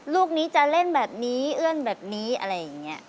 ลูกนี้จะเล่นแบบนี้เอื้อนแบบนี้อะไรอย่างนี้